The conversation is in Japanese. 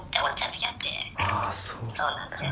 そうなんですよ